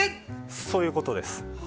そういうことです。